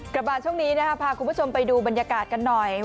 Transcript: กลับมาช่วงนี้นะครับพาคุณผู้ชมไปดูบรรยากาศกันหน่อย